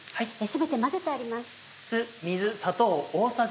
全て混ぜてあります。